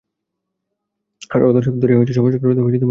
আজ অর্ধ শতাব্দী ধরিয়া সমাজসংস্কারের ধুম উঠিয়াছে।